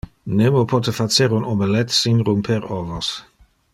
Nemo pote facer un omelette sin rumper ovos.